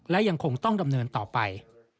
และยังคงต้องดำเนินต่อไป